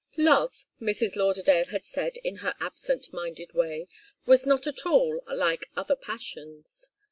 Love, Mrs. Lauderdale had said in her absent minded way, was not at all like other passions.